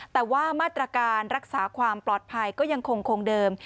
แต่ว่ามาตรการรักษาความปลอดภัยก็ยังคงเดิม